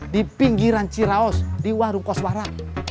di pinggiran ciraos di warung koswara